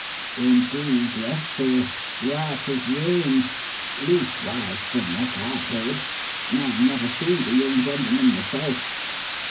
"Indeed, yes, sir right as rain. Leastwise, from what I've heard. I never see the young gentleman, myself.